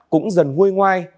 cũng dần nguôi ngoai